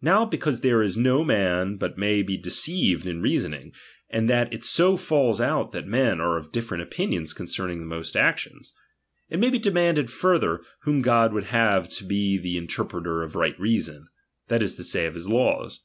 Now be cause there is no man but may be deceived in reasoning, and that it so falls out that men are of different opinions concerning the most actions ; it may be demanded further, whom God would have to be the interpreter of right reason, that is to say, of his laws.